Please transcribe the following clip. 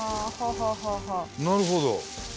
なるほど。